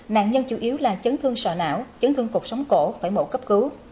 nạn nhân chủ yếu là chấn thương sọ não chấn thương cục sống cổ phải mổ cấp cứu